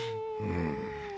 うん。